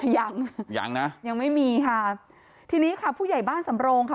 ยังยังนะยังไม่มีค่ะทีนี้ค่ะผู้ใหญ่บ้านสำโรงค่ะ